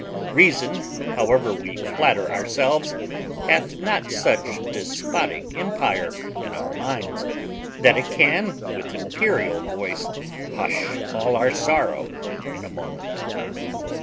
Reason, however we flatter ourselves, hath not such despotic empire in our minds, that it can, with imperial voice, hush all our sorrow in a moment.